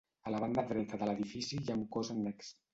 A la banda dreta de l'edifici hi ha un cos annex.